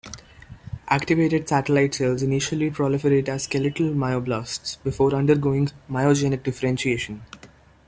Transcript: Activated satellite cells initially proliferate as skeletal myoblasts before undergoing myogenic differentiation.